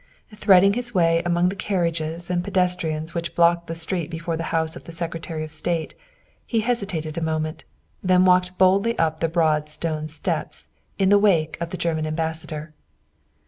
Threading his way among the carriages and pedes trians which blocked the street before the house of the Secretary of State, he hesitated a moment, then walked boldly up the broad stone steps in the wake of the German Ambassador.